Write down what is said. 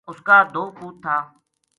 اُس کا دو پوت تھا